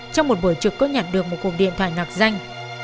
trong một buổi trực có nhận được một cuộc điện thoại nạc danh